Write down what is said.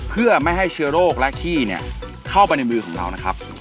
เพื่อไม่ให้เชื้อโรคและขี้เข้าไปในมือของเรานะครับ